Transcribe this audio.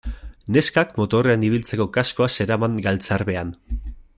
Neskak motorrean ibiltzeko kaskoa zeraman galtzarbean.